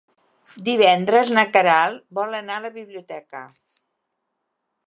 Divendres na Queralt vol anar a la biblioteca.